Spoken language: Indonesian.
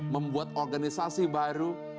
membuat organisasi baru